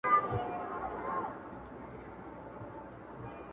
او نور د خپلي کورنۍ او دوستانو سره خوښي و لمانځه